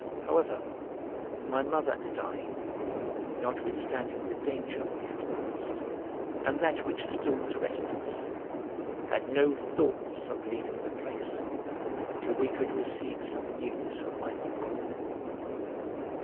However, my mother and I, notwithstanding the danger we had passed, and that which still threatened us, had no thoughts of leaving the place, till we could receive some news of my uncle.